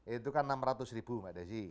itu kan enam ratus ribu mbak desi